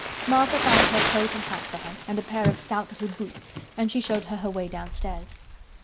Martha found her coat and hat for her and a pair of stout little boots and she showed her her way downstairs.